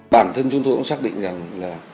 bản thân chúng tôi cũng xác định rằng là